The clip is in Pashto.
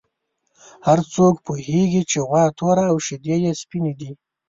هر څوک پوهېږي چې غوا توره او شیدې یې سپینې دي.